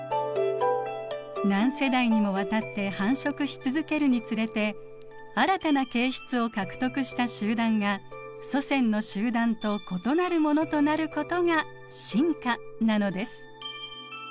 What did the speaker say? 何世代にもわたって繁殖し続けるにつれて新たな形質を獲得した集団が祖先の集団と異なるものとなることが進化なのです。